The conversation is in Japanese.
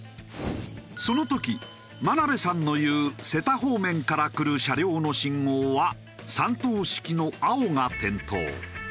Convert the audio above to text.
その時眞鍋さんの言う瀬田方面から来る車両の信号は３灯式の青が点灯。